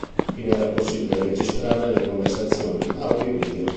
Infine era possibile registrare le conversazioni audio e video.